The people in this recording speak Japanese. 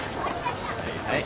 はい。